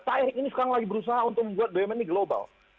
pak erick ini sekarang lagi berusaha untuk membuat bumn ini global